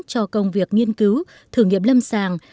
cho công việc nghiên cứu thử nghiệm lâm sàng